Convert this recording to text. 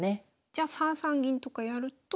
じゃあ３三銀とかやると。